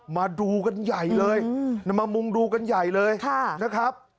มาดูกันใหญ่เลยมามุงดูกันใหญ่เลยนะครับ